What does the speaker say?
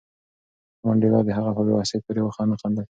خو منډېلا د هغه په بې وسۍ پورې ونه خندل.